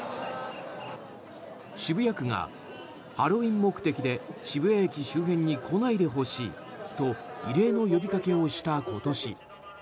渋谷区がハロウィーン目的で渋谷駅周辺に来ないでほしいと異例の呼びかけをした今年。